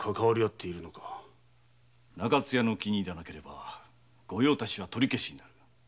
噂では中津屋の気に入らなければ御用達は取り消し。